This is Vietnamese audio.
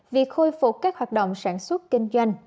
việc khôi phục các hoạt động sản xuất kinh doanh